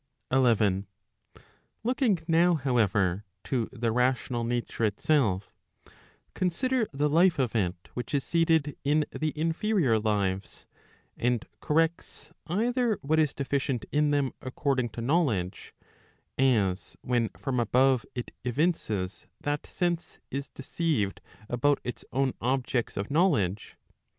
Digitized by t^OOQLe 454 ON PROVIDENCE I 11. Looking now, however, to the rational nature itself, consider the life of it which is seated in the inferior lives, and corrects either what is deficient in them according to knowledge, as when from above it evinces that sense is deceived about its own objects of knowledge.